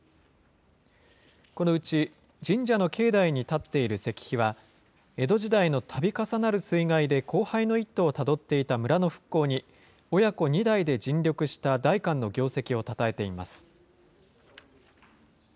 このうち神社の境内に建っている石碑は、江戸時代のたび重なる水害で荒廃の一途をたどっていた村の復興に、親子２代で尽力した代官の業績をたたえています。